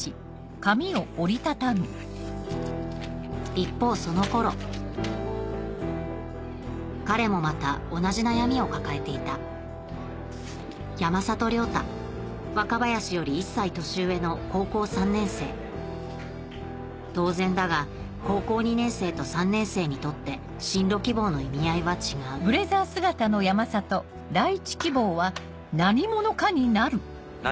一方その頃彼もまた同じ悩みを抱えていた山里亮太若林より１歳年上の高校３年生当然だが高校２年生と３年生にとって進路希望の意味合いは違う何？